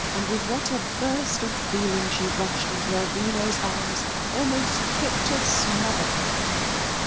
and with what a burst of feeling she rushed into Elvino's arms almost fit to smother him!